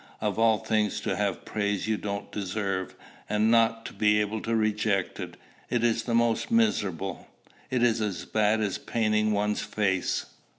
Of all things, to have praise you don't deserve, and not to be able to reject it, is the most miserable! It is as bad as painting one's face."